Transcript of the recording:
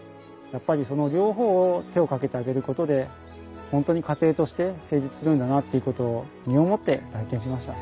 やっぱりその両方を手をかけてあげることで本当に家庭として成立するんだなっていうことを身をもって体験しました。